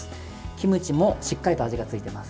キムチもしっかりと味がついています。